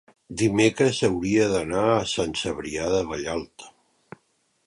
dimecres hauria d'anar a Sant Cebrià de Vallalta.